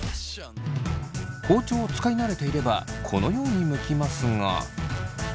包丁を使い慣れていればこのようにむきますが。